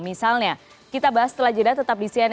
misalnya kita bahas setelah jeda tetap di cnn